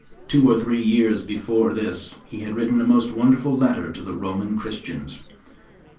Two or three years before this he had written a most wonderful letter to the Roman Christians.